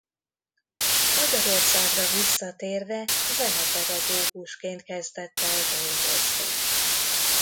Magyarországra visszatérve zenepedagógusként kezdett el dolgozni.